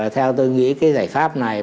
theo tôi nghĩ cái giải pháp này